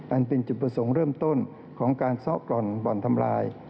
อันเป็นจุดประสงค์เริ่มต้นของการซ่อกล่อนบ่อนทำลาย